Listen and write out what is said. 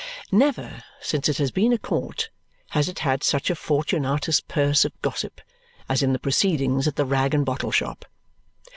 Never since it has been a court has it had such a Fortunatus' purse of gossip as in the proceedings at the rag and bottle shop.